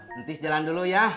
nanti jalan dulu ya